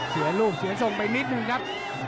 เสียลูกเสียทรงไปนิดนึงครับ